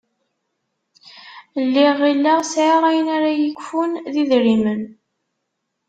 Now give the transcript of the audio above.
Lliɣ ɣilleɣ sεiɣ ayen ara y-ikfun d idrimen.